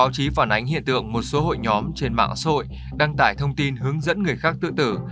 đánh hiện tượng một số hội nhóm trên mạng xôi đăng tải thông tin hướng dẫn người khác tự tử